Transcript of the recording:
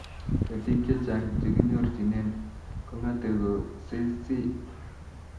ketik chechang chekinyorchine kongatee ko sessie